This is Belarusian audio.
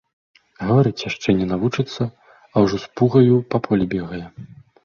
Гаварыць яшчэ не навучыцца, а ўжо з пугаю па полі бегае.